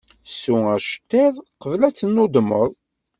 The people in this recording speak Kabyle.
Ssu aceṭṭiḍ, qbel ad tennudmeḍ.